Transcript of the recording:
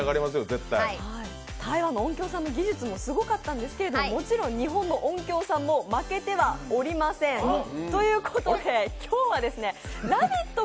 台湾の音響さんの技術もすごかったんですがもちろん日本の音響さんも負けてはいません。ということで、今日は「ラヴィット！」